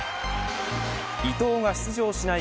伊藤が出場しない